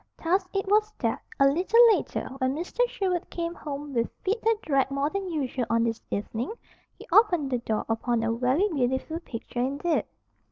Thus it was that, a little later, when Mr. Sherwood came home with feet that dragged more than usual on this evening, he opened the door upon a very beautiful picture indeed.